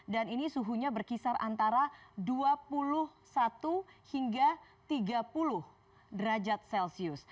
dan ini suhunya berkisar antara dua puluh satu hingga tiga puluh derajat celcius